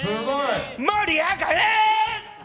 盛り上がれ！